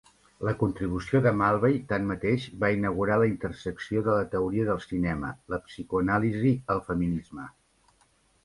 La contribució de Mulvey, tanmateix, va inaugurar la intersecció de la teoria del cinema, la psicoanàlisi el feminisme.